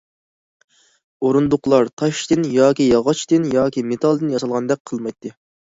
ئورۇندۇقلار تاشتىن ياكى ياغاچتىن ياكى مېتالدىن ياسالغاندەك قىلمايتتى.